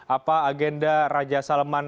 apa agenda raja salman